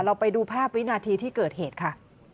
ไปดูภาพวินาทีที่เกิดเหตุค่ะ